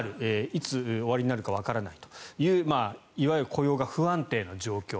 いつ終わりになるかわからないといういわゆる雇用が不安定な状況